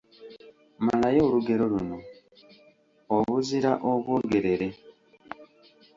Malayo olugero luno: Obuzira obwogerere, …..